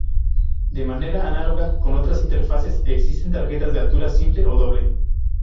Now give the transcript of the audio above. De manera análoga con otras interfaces, existen tarjetas de altura simple o doble.